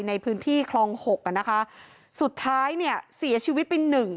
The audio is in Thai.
ในพื้นที่คลองหกอ่ะนะคะสุดท้ายเนี่ยเสียชีวิตไปหนึ่ง